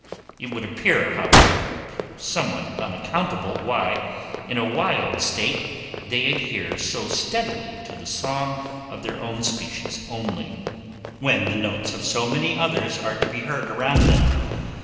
It would appear, however, somewhat unaccountable why, in a wild state, they adhere so steadily to the song of their own species only, when the notes of so many others are to be heard around them.